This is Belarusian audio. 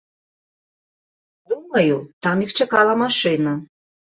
Думаю, там іх чакала машына.